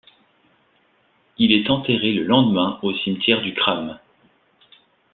Il est enterré le lendemain au cimetière du Kram.